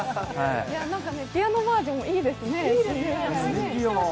ピアノバージョンもいいですね。